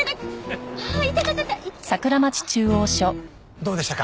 どうでしたか？